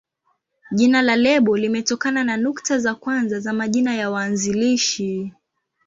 Jina la lebo limetokana na nukta za kwanza za majina ya waanzilishi.